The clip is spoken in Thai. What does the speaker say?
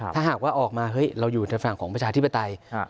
ถ้าหากว่าออกมาเฮ้ยเราอยู่ในฝั่งของประชาธิปไตย